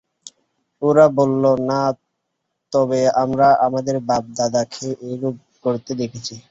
ওরা বলল, না তবে আমরা আমাদের বাপ-দাদাদেরকে এরূপই করতে দেখেছি।